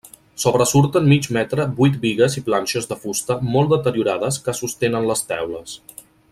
Sobresurten mig metre vuit bigues i planxes de fusta molt deteriorades que sostenen les teules.